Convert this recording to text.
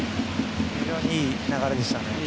非常にいい流れでしたね。